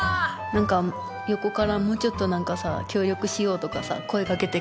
何か横からもうちょっと何かさ協力しようとかさ声かけてほしかったんですけど。